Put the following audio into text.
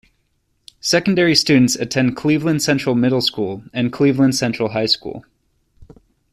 Secondary students attend Cleveland Central Middle School and Cleveland Central High School.